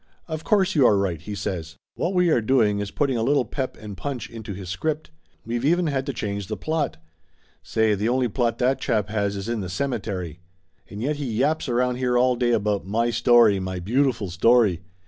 "Of course you are right!" he says. "What we are doing is putting a little pep and punch into his script. We've even had to change the plot. Say, the only plot that chap has is in the cemetery! And yet he yaps around here all day about 'my story, my beautiful story.'